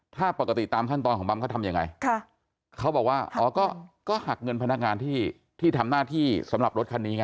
ถ้าปกติตามขั้นตอนของบัมเขาทำยังไงเขาบอกว่าอ๋อก็หักเงินพนักงานที่ที่ทำหน้าที่สำหรับรถคันนี้ไง